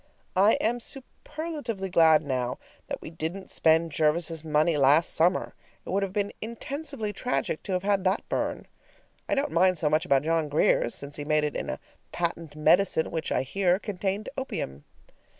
I am superlatively glad now that we didn't spend Jervis's money last summer; it would have been intensively tragic to have had that burn. I don't mind so much about John Grier's, since he made it in a patent medicine which, I hear, contained opium.